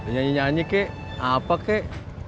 nyanyi nyanyi kek apa kek